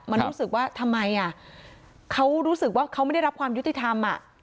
มันรู้สึกว่าทำไมอ่ะเขารู้สึกว่าเขาไม่ได้รับความยุติธรรม